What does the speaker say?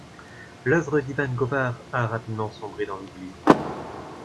L'œuvre d'Ivan Govar a rapidement sombré dans l'oubli.